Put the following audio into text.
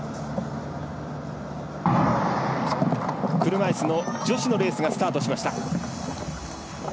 車いすの女子のレースがスタートしました。